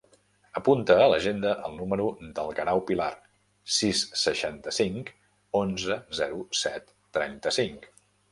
Apunta a l'agenda el número del Guerau Pilar: sis, seixanta-cinc, onze, zero, set, trenta-cinc.